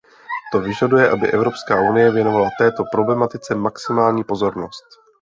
To vyžaduje, aby Evropská unie věnovala této problematice maximální pozornost.